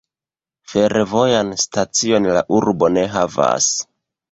Fervojan stacion la urbo ne havas.